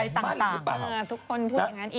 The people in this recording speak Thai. ต่างทุกคนพูดอย่างนั้นอีก